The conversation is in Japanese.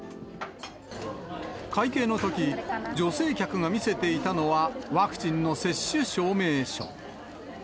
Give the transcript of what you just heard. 会計のとき、女性客が見せていたのはワクチンの接種証明書。